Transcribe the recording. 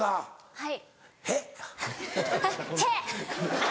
はい。